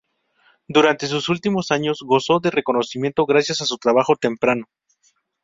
Durante sus últimos años gozó de reconocimiento gracias a su trabajo temprano.